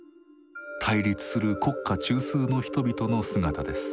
対立する国家中枢の人々の姿です。